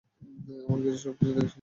আমরা সবকিছু দেখেশুনে রাখব।